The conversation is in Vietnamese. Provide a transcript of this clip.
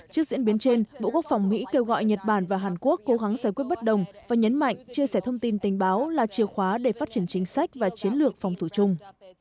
trước diễn biến trên bộ quốc phòng mỹ kêu gọi nhật bản và hàn quốc cố gắng giải quyết bất đồng và nhấn mạnh chia sẻ thông tin tình báo là chìa khóa để phát triển chính sách và chiến lược phòng thủ chung